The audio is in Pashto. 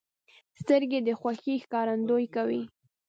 سترګې د خوښۍ ښکارندویي کوي